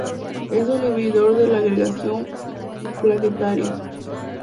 Es un inhibidor de la agregación plaquetaria.